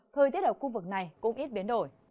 thời tiết ở khu vực này cũng ít biến đổi